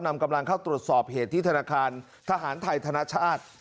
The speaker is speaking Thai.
นำกำลังเข้าตรวจสอบเหตุที่ธนาคารทหารไทยธนชาติ